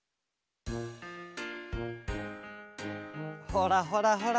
ほらほらほら。